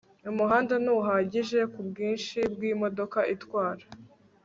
umuhanda ntuhagije kubwinshi bwimodoka itwara